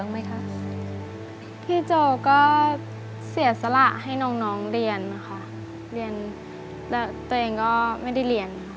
มีเงินส่งแน่เลย